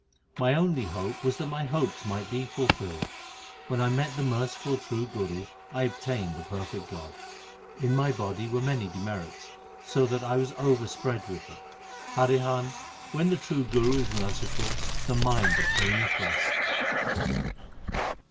5 My only hope was that my hopes might be fulfilled ; When I met the merciful true Guru, I obtained the Perfect God. In my body were many demerits, so that I was over spread with them. Harihan, when the true Guru is merciful, the mind obtaineth rest.